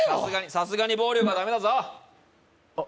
さすがに暴力はダメだぞあっ